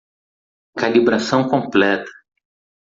Calibração completa.